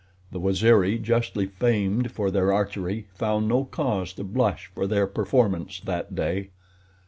The Waziri, justly famed for their archery, found no cause to blush for their performance that day.